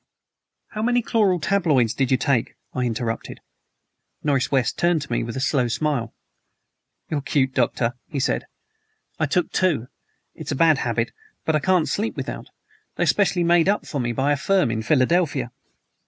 "How many chloral tabloids did you take?" I interrupted. Norris West turned to me with a slow smile. "You're cute, Doctor," he said. "I took two. It's a bad habit, but I can't sleep without. They are specially made up for me by a firm in Philadelphia."